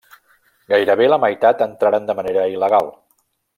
Gairebé la meitat entraren de manera il·legal.